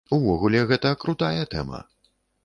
Увогуле, гэта крутая тэма.